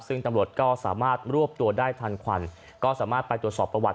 ซึ่งตำรวจก็สามารถรวบตัวได้ทันควันก็สามารถไปตรวจสอบประวัติ